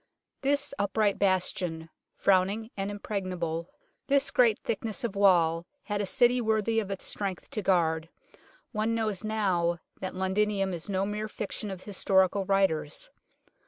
This upright bastion, frowning and impregnable, this great thickness of wall, had a City worthy of its strength to guard ; one knows now that Londinium is no mere fiction of historical writers.